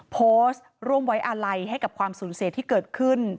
โพสต์ร่วมไว้อาลัยให้กับความสูญเสียที่เกิดขึ้น